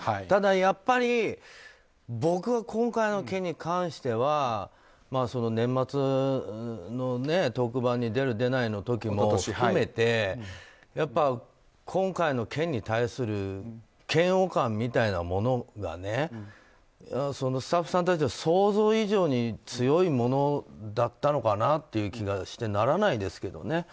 ただ、やっぱり僕は今回の件に関しては年末の特番に出る、出ないの時も含めて今回の件に対する嫌悪感みたいなものがねスタッフさんたちの想像以上に強いものだったのかなっていう気がしてならないですけどね。